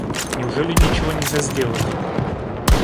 Неужели ничего нельзя сделать?